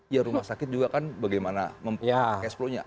ya rumah sakit juga kan bagaimana memperbaiki keesokannya